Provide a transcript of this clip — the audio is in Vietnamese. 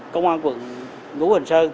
công an quận ngũ hình sơn